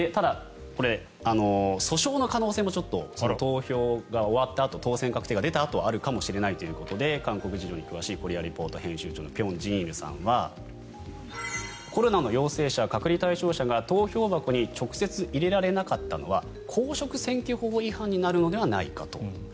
これ、訴訟の可能性も投票が終わったあと当選確定が出たあとあるかもしれないということで韓国事情に詳しい「コリア・レポート」編集長の辺真一さんはコロナの陽性者、隔離対象者が投票箱に直接入れられなかったのは公職選挙法違反になるのではないかと。